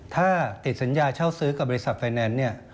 ถ้าติดสัญญาเช่าซื้อกับบริษัทไฟแนนซ์เนี่ย